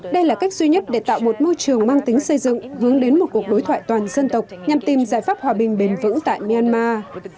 đây là cách duy nhất để tạo một môi trường mang tính xây dựng hướng đến một cuộc đối thoại toàn dân tộc nhằm tìm giải pháp hòa bình bền vững tại myanmar